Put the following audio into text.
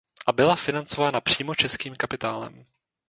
A byla financována přímo českým kapitálem.